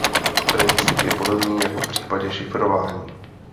Princip je podobný jako v případě šifrování.